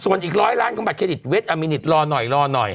ส่วนอีกร้อยล้านของบัตเครดิตเว็ดอามินิตรอหน่อยรอหน่อย